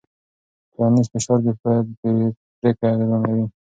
ټولنیز فشار د فرد پرېکړې اغېزمنوي.